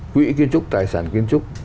quỹ kiến trúc tài sản kiến trúc